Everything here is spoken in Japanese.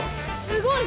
すごい！